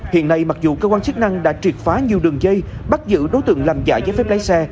hiện nay mặc dù cơ quan chức năng đã triệt phá nhiều đường dây bắt giữ đối tượng làm giả giấy phép lái xe